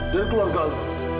dan keluarga lu